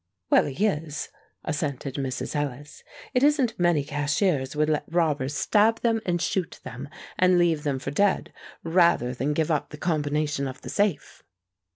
"Well, he is," assented Mrs. Ellis. "It isn't many cashiers would let robbers stab them and shoot them and leave them for dead rather than give up the combination of the safe!"